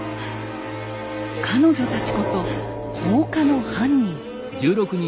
彼女たちこそ放火の犯人。